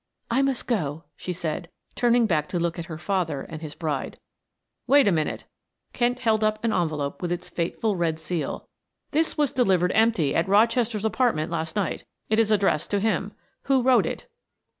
"I must go," she said, turning back to look at her father and his bride. "Wait a minute." Kent held up an envelope with its fateful red seal. "This was delivered empty at Rochester's apartment last night it is addressed to him. Who wrote it?"